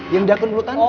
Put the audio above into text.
yang di akun belut tante